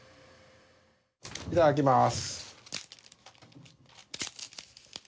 いただきます。